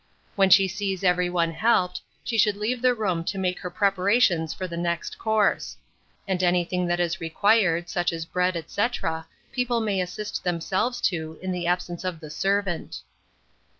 When she sees every one helped, she should leave the room to make her preparations for the next course; and anything that is required, such as bread, &c., people may assist themselves to in the absence of the servant.